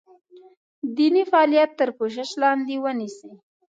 دیني فعالیت تر پوښښ لاندې ونیسي.